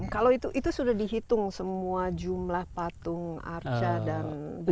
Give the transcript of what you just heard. kalau itu sudah dihitung semua jumlah patung arca dan benda benda yang ada di situ